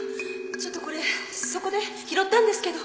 ちょっとこれそこで拾ったんですけど。